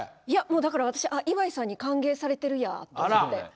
いやもうだから私あっ磐井さんに歓迎されてるやと思って。